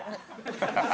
ハハハハ！